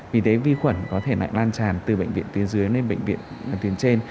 vì thế vi khuẩn có thể lại lan tràn từ bệnh viện tuyến dưới lên bệnh viện tuyến trên